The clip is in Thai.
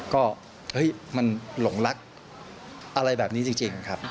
ก็เฮ้ยมันหลงรักอะไรแบบนี้จริงครับ